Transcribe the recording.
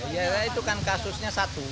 ya itu kan kasusnya satu